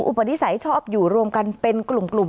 อุปนิสัยชอบอยู่รวมกันเป็นกลุ่ม